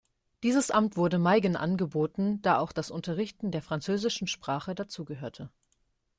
Dieses Amt wurde Meigen angeboten, da auch das Unterrichten der französischen Sprache dazugehörte.